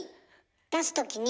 出す時に？